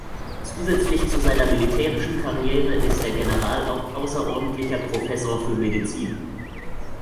Zusätzlich zu seiner militärischen Karriere ist der General auch außerordentlicher Professor für Medizin.